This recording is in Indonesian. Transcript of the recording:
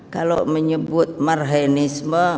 kalau menyebut marhainisme